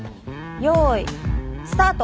よーいスタート。